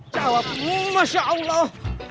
jawabmu masya allah